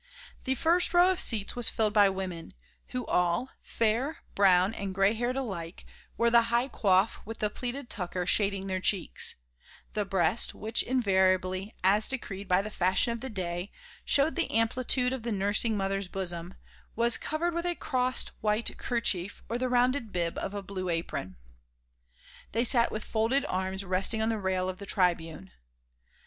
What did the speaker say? The first row of seats was filled by women, who all, fair, brown and grey haired alike, wore the high coif with the pleated tucker shading their cheeks; the breast, which invariably, as decreed by the fashion of the day, showed the amplitude of the nursing mother's bosom, was covered with a crossed white kerchief or the rounded bib of a blue apron. They sat with folded arms resting on the rail of the tribune.